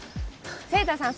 晴太さん